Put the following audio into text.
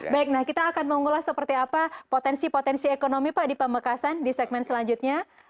baik nah kita akan mengulas seperti apa potensi potensi ekonomi pak di pamekasan di segmen selanjutnya